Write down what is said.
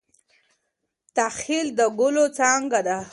تخیل د ګلو څانګه ده.